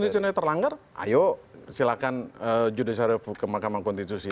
berasa hak indonesia terlanggar ayo silakan judisial review ke mahkamah konstitusi